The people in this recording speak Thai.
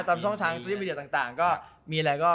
ตามช่องทางสวิตเตอร์วีดีโอต่างก็มีอะไรก็